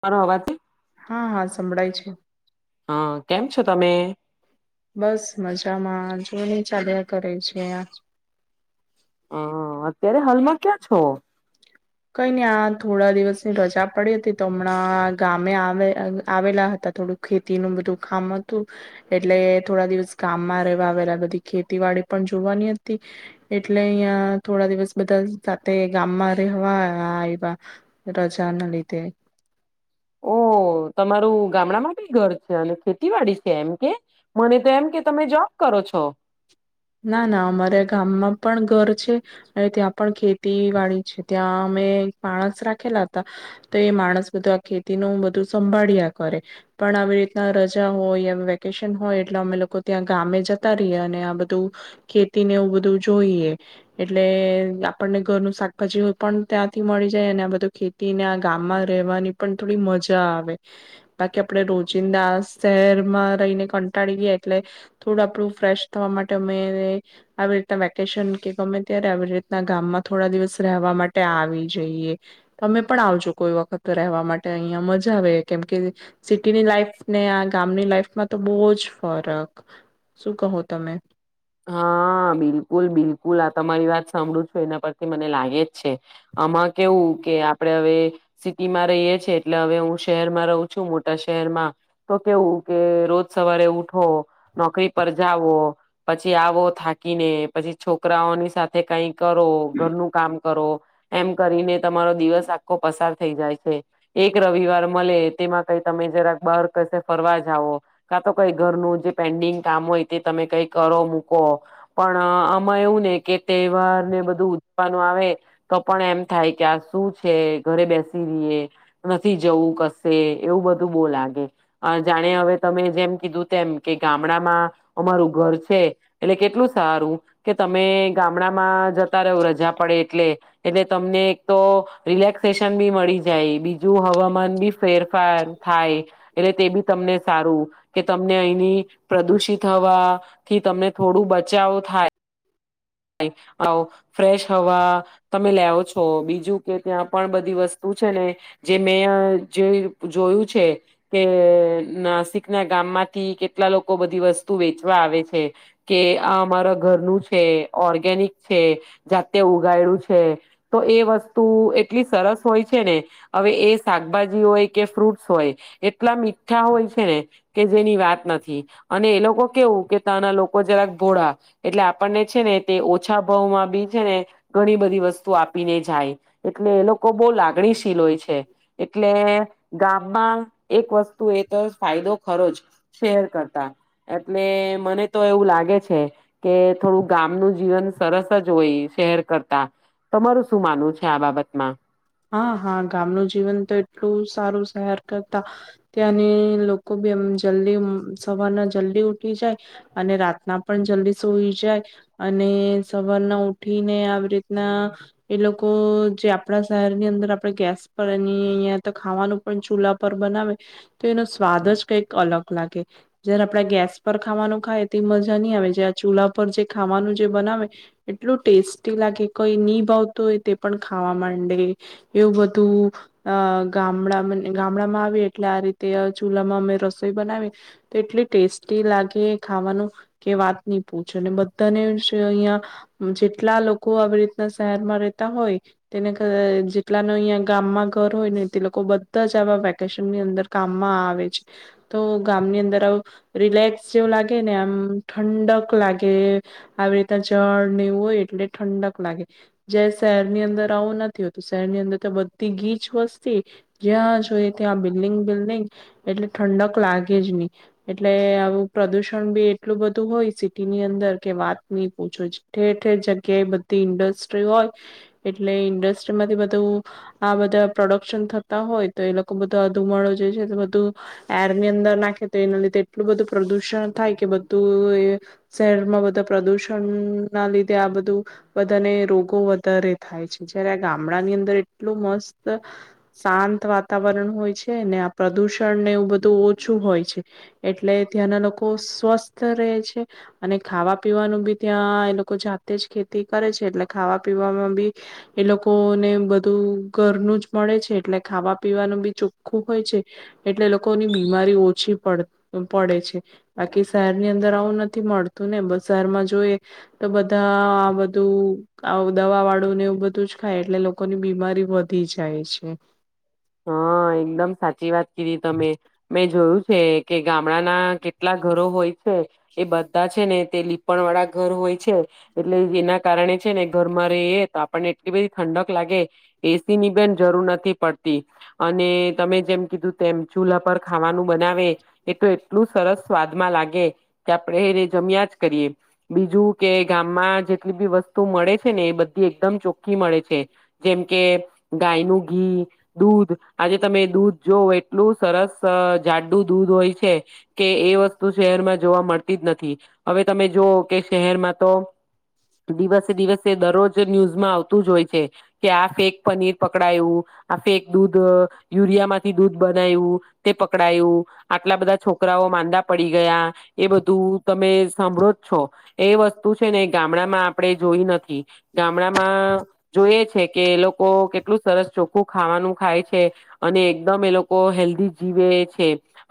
મારો અવાજ હા, હા, સંભળાય છે. હા, કેમ છો તમે? બસ, મજામાં. જો, ચાલ્યા કરે છે. હ, અત્યારે હાલમાં ક્યાં છો? કંઈ નહીં. નને આ થોડા દિવસની રજા પડી હતી, તો હમણાં ગામે આવે આવેલા હતા. થોડું ખેતી નું બધું કામ હતું, એટલે થોડા દિવસ ગામમાં રહેવા આવેલા. બધી ખેતી વાડી પણ જોવાની હતી, એટલે અહી થોડા દિવસ બધા સાથે ગામમાં રહે. હા, હા, એ રજા ના લીધે. ઓ તમારું ગામડામાં બી ઘર છે અને ખેતીવાડી છે એમ? કે મને તો એમ કે તમે જોબ કરો છો. ના ના, અમારા ગામમાં પણ ઘર છે અને ત્યાં પણ ખેતી વાડી છે. ત્યાં અમે માણસ રાખેલા હતા તો એ માણસ બધું આ ખેતીનું બધું સંભાળ્યા કરે. પણ આવી રીતના રજા હોય વેકેશન હોય, એટલે અમે લોકો ત્યાં ગામે જતા રહીએ અને આ બધું. ખેતીને એવું બધું જોઈએ એટલે આપણને ઘરનું શાકભાજી પણ ત્યાંથી મળી જાય અને આ બધું. ખેતી ને આ ગામમાં રેવાની પણ થોડી મજા આવે. બાકી આપડે રોજિંદા શહેરમાં રહીને કંટાળી ગયો, એટલે થોડું આપડું ફ્રેશ થવા માટે ત આવી રીતના વેકેશન કે ગમે ત્યારે આવી રીતના ગામમાં થોડા દિવસ રહેવા માટે આવી જઈએ, તમે પણ આવજો કોઈ વખત રહેવા માટે, અહિયાં મજા આવે કેમ કે સિટીની લાઈફ ને આ ગામની લાઈફમાં તો બહુ જ ફરક શું કહો તમે. હા બિલકુલ બિલકુલ આ તમારી વાત સાંભળું છું એના પરથી મને લાગે જ છે આમાં કેવું કે આપડે હવે સિટીમાં રહીએ છેએ એટલે હવે હું શહેરમાં રહું છું મોટા શહેરમાં તો કેવું કે રોજ સવારે ઉઠો, નોકરી પર જઓ. પછી આવો થાકીને, પછી છોકરાઓની સાથે કંઈ કરો, ઘરનું કામ કરો એમ કરીને તમારો દિવસ આખો પસાર થઈ જાય છે. એક રવિવાર મળે તેમાં કઈ તમે જરાક બાર કસે ફરવા જાવ કા તો કઈ ઘરનું જે પેન્ડિંગ કામ હોય તે તમે કઈ. કરો મૂકો પણ આમાં એવું ને કે તહેવાર ને બધું ઉજવાનું આવે તો પણ એમ થાય કે આ શું છે ઘરે બેસી રહે, નથી જવું કશે એવું બધું બો લાગે જાણે હવે તમે જેમ કીધું તેમ કે ગામડામાં અમારું ઘર છે. એટલે કેટલું સારું કે તમે ગામડામાં જતા રહો રજા પડે એટલે, એટલે તમને એક તો રિલેક્સેશન બી મળી જાય, બીજું હવામાન બી ફેરફાર થાય, એટલે તે બી તમને સારું કે, તમને અહીની પ્રદુષિત હવા થી તમને થોડું બચાવો થાય. આવી ફ્રેશ હવા તમે લાવ છો, બીજું કે ત્યાં પણ બધી વસ્તુ છે ને જે મેં જે જોયું છે કે નાસિક ના ગામમાંથી કેટલા લોકો બધી વસ્તુ વેચવા આવે છે કે આ અમારા ઘરનું છે. ઓર્ગેનિક છે, જાતે ઉગાયડું છે તો એ વસ્તુ એટલી સરસ હોય છે ને, હવે એ શાકભાજી હોય કે ફ્રૂટ્સ હોય એટલા મીઠા હોય છે ને કે જેની વાત નથી અને એ લોકો કેવું કે. ના લોકો જરાક ભોળા. એટલે આપણને છે ને. ઓછા ભાવમાં બી છે ને, ઘણી બધી વસ્તુ આપીને જાય એટલે એ લોકો બહુ લાગણીશીલ હોય છે એટલે ગામમાં એક વસ્તુ એ તો ફાયદો ખરો જ શેર કરતા એટલે મને તો એવું લાગે છે કે થોડું ગામનું. જીવન સરસ જ હોય, શેર કરતા તમારું શું માનવું છે આ બાબતમાં? હા હા, ગામનું જીવન તો એટલું સારું, શહેર. કરતા ત્યાંની લોકો બી એમ જલ્દી સવારના જલ્દી ઉઠી જાય અને રાતના પણ જલ્દી સોઈ જાય અને સવારના ઉઠીને આવી રીતના એ લોકો જે આપણા. શહેર ની અંદર આપડે ગેસ પર એ, અહિંયા તો ખાવાનું પણ ચૂલા પર બનાવે તો એનો સ્વાદ જ કઈક અલગ લાગે જારે આપડા ગેસ પર ખાવાનું ખાય તે મજા નહીં આવે જે આ ચૂલા પર જે ખાવાનું જે બનાવે એટલું ટેસ્ટી લાગે, કઈ નહિ ભાવતું હોય તે પણ ખાવા માંડ. એવું બધું ગામડા ગામડામાં આવે એટલે આ રીતે ચૂલામાં અમે રસોઈ બનાવી તો એટલી ટેસ્ટી લાગે ખાવાનું કે વાત નહીં પૂછે, અને બધાને અહીં જેટલા લોકો આવી રીતના શહેરમાં રહેતા હોય. તેને જેટલા ન અહીં ગામમાં ઘર હોય ને, તે લોકો બધા જ આવા વેકેશનની અંદર કામમાં આવે છે. તો ગામની અંદર આવે રિલેક્સ જેવું લાગે ને, એમ ઠંડક લાગે. આવી રીતના જળ ને એવું હોય એટલે ઠંડક લાગે જે શહેરની અંદર નથી હોતું શહેર ની અંદર તો બધી ગીચ વસ્તી, જ્યાં જોઈ ત્યાં બિલ્ડિંગ બિલ્ડિંગ, એટલે ઠંડક લાગે જ નહીં, એટલે આવ પ્રદુષણ બી એટલું બધું હોય સિટી ની અંદર કે વાત નહીં પૂછો, ઠેર ઠેર જગ્યાએ બધી ઇન્ડસ્ટ્રી હોય. એટલે ઇન્ડસ્ટ્રી માંથી બધું આ બધા પ્રોડક્શન થતા હોય, તો એ લોકો બધો આ ધુમાડો જે છે બધું એર ની અંદર નાખે તો એના લીધે એટલું બધું પ્રદુષણ થાય કે, બધું શહેરમાં બધા પ્રદુષણ ના લીધે આ બધું બધાને રોગો વધારે થાય છે. જયારે આ ગામડા ની અંદર એટલું મસ્ત શાંત વાતાવરણ હોય છે ને, આ પ્રદૂષણને એવું બધું ઓછું હોય છે, એટલે ત્યાંના લોકો સ્વસ્થ રહે છે. અને ખાવા-પીવાનું બી ત્યાં એ લોકો જાતે જ ખેતી કરે છે, એટલે ખાવા-પીવામાં બી એ લોકોને બધું ઘરનું જ મળે છે, એટલે ખાવા-પીવાનું બી ચોખ્ખું હોય છે. એટલે લોકોની બીમારી ઓછી પડે છે. બાકી શહેરની અંદર આવું નથી મળતું ને, બજારમાં જોઈએ તો બધા આ બધું દવા વાળું. ડું ને એવું બધું જ ખાય એટલે લોકોની બીમારી વધી જાય છે. હા, એકદમ સાચી વાત કીધી તમે મેં જોયું. છે કે ગામડાના કેટલા ઘરો હોય છે એ બધા છે ને તે લીપણ વાળા ઘર હોય છે. એટલે એના કારણે છે ને ઘરમાં રેયે તો આપણને એટલી બધી ઠંડક લાગે એ સી ની પણ જરૂર નથી પડ તી. અને તમે જેમ કીધું તેમ ચૂલા પર ખાવાનું બનાવે એ તો એટલું સરસ સ્વાદમાં લાગે કે આપણેે જમ્યા જ કરીએ. બીજું કે ગામમાં જેટલી બી વસ્તુ મળે છે ને એબધી એકદમ ચોખ્ખી મળે છે, જેમ કે ગાયનું ઘી. દૂધ આજે તમે દૂધ જો એટલું સરસ જાડું દૂધ હોય છે કે એ વસ્તુ શહેરમાં જોવા મળતી જ નથી. હવે તમે જોઓ કે શહેરમાં તો દિવસે દિવસે દરરોજ ન્યૂઝમાં આવતું જ હોય છે કે આ ફેક પનીર પકડાયું. આ ફેક દૂધ, યુરિયામાંથી દૂધ બનાવું તે પકડાયું, આટલા બધા છોકરાઓ માંદા પડી ગયા એ બધું તમે સાંભળો જ છો. એ વસ્તુ છે ને ગામડામાં આપણે જોઈ નથી. ગામડામાં જોઈ છે કે લોકો કેટલું સરસ ચોક ખૂ ખાવાનું ખાય છે અને એકદમ એ લોકો હેલ્ધી જીવે છે,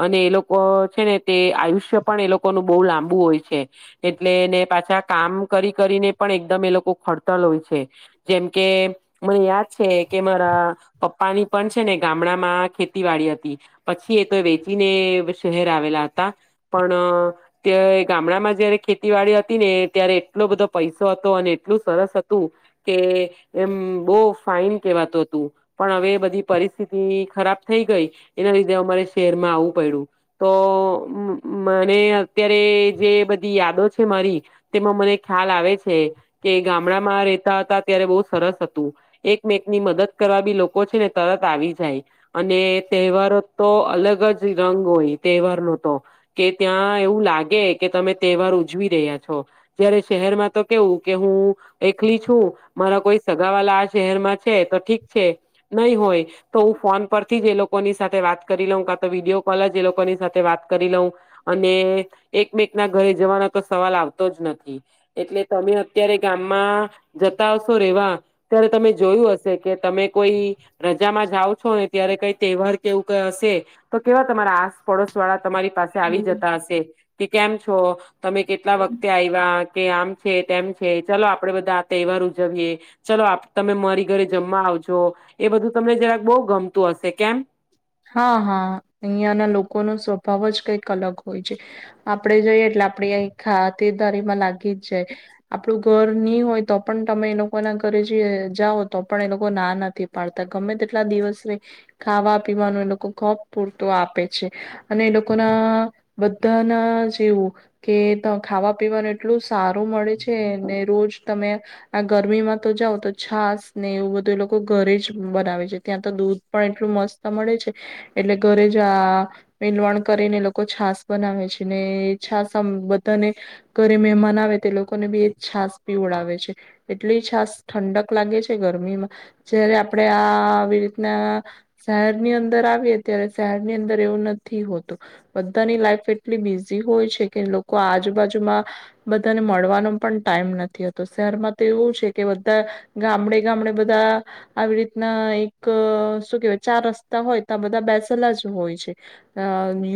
અને એ લોકો છે ને તે આયુષ્ય પણ એ લોકોનું બહુ લાંબુ હોય છે. એટલે ને પાછા કામ કરી કરીને પણ એકદમ એ લોકો ખડતલ હોય છે. છે જેમ કે મને યાદ છે કે મારા પપ્પાની પણ છે ને ગામડામાં ખેતીવાડી હતી. પછી એ તો વેચીને શહેર આવેલા હતા, પણ તે ગામડામાં જયારે ખેતી વાડી હતી ને ત્યારે એટલો બધો પૈસો હતો અને એટલું સરસ હતું કે એમ બહુ ફાઈન કેવાતું હતું. પણ હવે બધી પરિસ્થિતિ ખરાબ થઈ ગઈ, એના લીધે અમારે શહેરમાં આવવું પડ્યું. તો મ મને અત્યારે જે બધી યાદો છે મારી તેમાં મને ખ્યાલ આવે છે કે ગામડામાં રહેતા હતા ત્યારે બહુ સરસ હતું. એકમેક ની મદદ કરવા બી લોક કો છે ને તરત આવી જાય અને તહેવારો તો અલગ જ રંગ હોય તહેવાર નો તો કે ત્યાં એવું લાગે કે તમે તહેવાર ઉજવી રહ્યા છો, જયારે શહેરમાં તો કેવું કે હું એકલી છું, મારા કોઈ સગાવાલા આ શહેરમાં છે તો ઠીક છે. નહીં હોય તો હું ફોન પરથી જ એ લોકોની સાથે વાત કરી લઉં કા તો વિડીયો કોલ જ એ લોકોની સાથે વાત કરી લઉં અને એકમેક ના ઘરે જવાનો તો સવાલ આવતો જ નથી. એટલે તમે અત્યારે ગામમાં જતા હશો રેવા ત્યારે તમે જોયું હશે. કે તમે કોઈ રજામાં જાવ છો ને ત્યારે કઈ તહેવાર કે એવું ક હશે તો કેવા તમારા આસ પડોશ વાળા તમારી પાસે આવી હમ જતા હશે. કે કેમ છો? તમે કેટલા વખતે આયવા. કે આમ છે તેમ છે ચલો આપડે બધા આ તહેવાર ઉજવીએ ચલો આપ તમે મારી ઘરે જમવા આવજો. એ બધું તમને જરાક બહુ ગમતું હશે કેમ. હા હા અહિયાંયાના લોકોનો સ્વભાવ જ કંઈક અલગ હોય છે આપડે જઈએ એટલે આપડી ખાતેદારીમાં લાગી જ જાય આપણું ઘર ની હોય તો પણ તમે એ લોકોના ઘરે જોયે જાઓ તો પણ એ લોકો ના નથી પાડતા ગમે તેટલા દિવસે બી ખાવા પીવાનુ એ લોકો કપ પૂરતો આપે છે અને એ લોકોના બધાના જેવું કે ખાવા પીવાનું એટલું સારું મળે છે ને રોજ તમે આ ગરમીમાં તો જાઓ તો છાસ ને એવું બધું એ લોકો ઘરે જ બનાવે છે. ત્યાં તો દૂધ પણ એટલું મસ્ત મળે છે. એટલે ઘરે જ આ મલવણ કરીને એ લોકો છાસ બનાવે છે ને છાસ આમ બધાને ઘરે મહેમાન આવે તે લોકોને બી એ છાસ પીવડાવે છે. એટલી છાસ ઠંડક લાગે છે ગરમીમાં જયારે આપણેે આ આવી રીતના શહેરની અંદર આવીએ ત્યારે શહેરની અંદર એવું નથી હોતું બધાની લાઈફ એટલી બીઝી હોય છે કે લોકો આજુબાજુમાં બધાને મળવાનો પણ ટાઈમ નથી હતો શહેરમાં તો એવું છે કે બધા ગામડે ગામડે બધા આવી રીતના એક શું કેવાય ચાર રસ્તા હોય ત્યા બધા બેસેલા જ હોય છે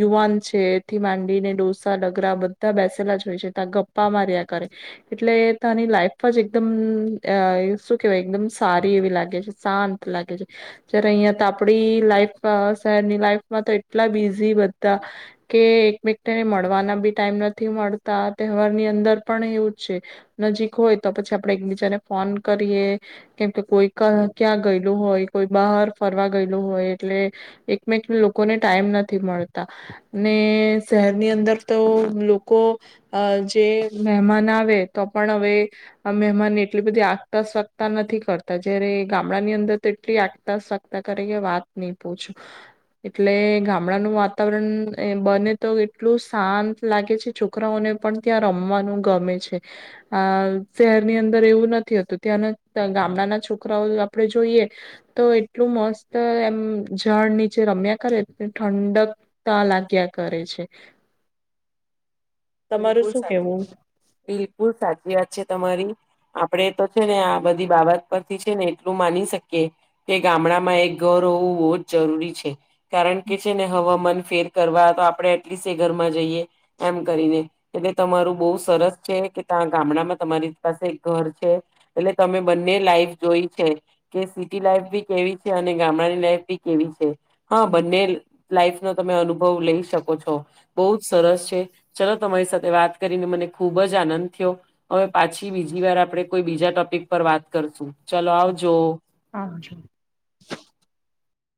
યુવાન છે એથી માંડીને ડોસા ડગરા બધા બેસેલા જ હોય છે ત્યાં ગપ્પા માર્યા કરે એટલે તની લાઈફ જ એકદમ શું કેહેવાય એકદમ સારી એવી લાગે છે શાંત લાગે છે. જયારે અહિયાં ત આપડી લાઈફ શહેરની લાઈફમાં તો એટલા બિઝી બતા કે એકમેકને મળવાના બી ટાઈમ નથી મળતા તહેવારની અંદર પણ એવું જ છે નજીક હોય તો પછી આપડે એકબીજાને ફોન કરીએ કેમકે કોઈ ક્યાં ગયેલું હોય કોઈ બહાર ફરવા ગયેું હોય. એટલે એકમેક લોકોને ટાઈમ નથી મળતા અને શહેરની અંદર તો લોકો અ જે મહેમાન આવે તો પણ હવે મહેમાનને એટલી બધી આગતા સગતા નથી કરતા જયારે ગામડા ની અંદર તો એટલી આગતા સગ તા કરીકે વાત નહી પૂછું. એટલે ગામડાનું વાતાવરણ બને તો એટલું શાંત લાગે છે છોકરાઓને પણ ત્યાં રમવાનું ગમે છે આ શહેરની અંદર એવું નથીતું ત્યાં ગામડાના છોકરાઓ આપડે જોઈએ તો એટલું મસ્ત એમ જાડ નીચે રમ્યા કરે ઠંડકતા લાગ્યા કરે છે. તમારું બકુલ શું સાચી કેવું બિકુલ સાચી વાત છે તમારી. આપડે તો છે ને આ બધી બાબત પરથી છે ને એટલું માની શકીએ કે ગામડામાં એક ઘર હોવું બહુ જ જરૂરી છે. કારણ કે છે ને હવામાન ફેર કરવા તો આપડણે એટલીસ્ટ એ ઘરમાં જઈએ એમ કરીને. એટલે તમારું બઉ સરસ છે કે ત્યા ગામડામાં તમારી પાસે ઘર છે એટલે તમે બંને લાઈફ જોઈ છે કે સિટી લાઈફ બી કેવી છે અને ગામડાની લાઈફ બી કેવી છે. હા બનેલ લાઈફ નો તમે અનુભવ લઈ શકો છો બહુ જ સરસ છે ચલ તમારી સાથે વાત કરીને મને ખુબ જ આનંદ થયો હવે પાછી બીજી વાર આપડણે કોઈ બીજા ટોપિક પર વાત કરશું ચલો આવજો. આવજો